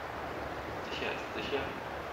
Sicher ist sicher.